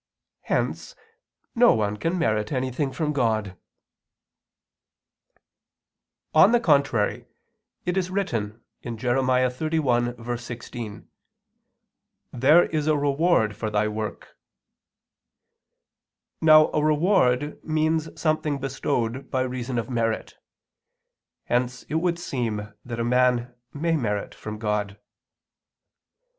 Hence no one can merit anything from God. On the contrary, It is written (Jer. 31:16): "There is a reward for thy work." Now a reward means something bestowed by reason of merit. Hence it would seem that a man may merit from God.